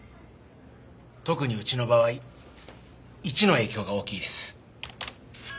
特にうちの場合１の影響が大きいです。